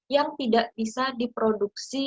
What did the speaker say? yang tidak bisa diproduksi dengan baik